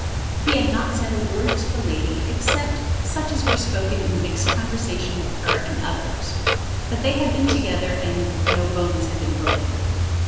He had not said a word to the lady, except such as were spoken in mixed conversation with her and others; but they had been together, and no bones had been broken.